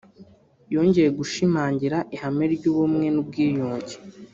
yongeye gushimangira ihame ry’ubumwe n’ubwiyunge